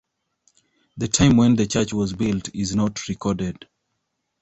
The time when the church was built is not recorded.